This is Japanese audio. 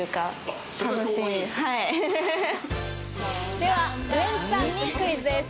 ではウエンツさんにクイズです。